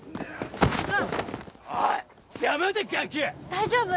大丈夫？